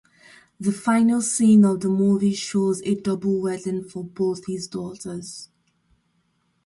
The final scene of the movie shows a double wedding for both his daughters.